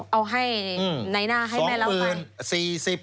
เอาให้ไหนหน้าให้แม่เล่าไป